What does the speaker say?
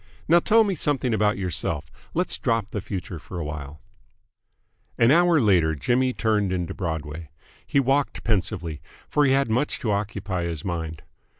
Now tell me something about yourself. Let's drop the future for awhile." An hour later Jimmy turned into Broadway. He walked pensively, for he had much to occupy his mind.